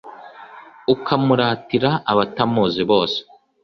ukamuratira abatamuzi bose